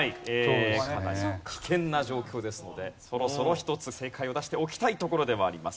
危険な状況ですのでそろそろ一つ正解を出しておきたいところではあります。